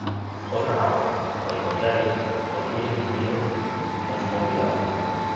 Otras aves, por el contrario, construyen sus nidos con sumo cuidado.